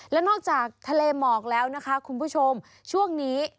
แล้วนอกจากทะเลหมอกแล้วนะคะคุณผู้ชมช่วงนี้